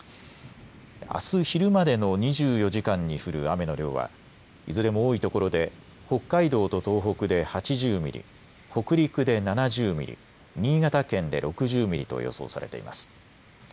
あす昼までの２４時間に降る雨の量はいずれも多いところで北海道と東北で８０ミリ、北陸で７０ミリ、新潟県で６０ミリと予想されています。